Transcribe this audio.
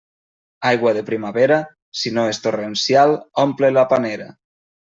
Aigua de primavera, si no és torrencial, omple la panera.